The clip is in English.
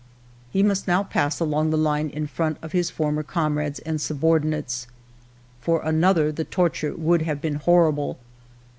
" He must now pass along the line in front of his former comrades and subordinates. For another the torture would have been horrible.